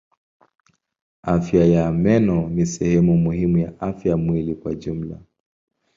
Afya ya meno ni sehemu muhimu ya afya ya mwili kwa jumla.